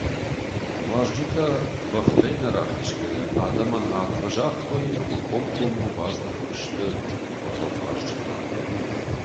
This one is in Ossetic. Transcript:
Уазджытӕ, бӕхтӕй нӕ рахизгӕйӕ, адӕмӕн арфӕ загътой ӕмӕ комкоммӕ баздӕхтысты бӕхылхъазджытӕм.